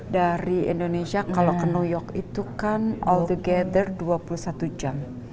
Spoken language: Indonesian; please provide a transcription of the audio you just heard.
dari indonesia kalau ke new york itu kan all together dua puluh satu jam